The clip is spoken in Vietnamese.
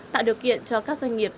tạo điều kiện cho các doanh nghiệp